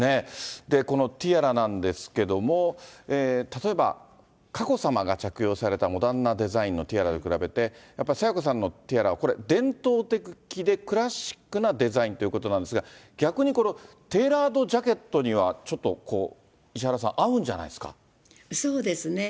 このティアラなんですけども、例えば、佳子さまが着用されたモダンなデザインのティアラに比べて、やっぱり清子さんのティアラはこれ、伝統的でクラシックなデザインということなんですが、逆にこれ、テーラードジャケットにはちょっとこう、石原さん、合うんじゃなそうですね。